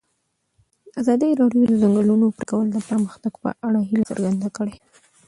ازادي راډیو د د ځنګلونو پرېکول د پرمختګ په اړه هیله څرګنده کړې.